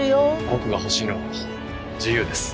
僕が欲しいのは自由です。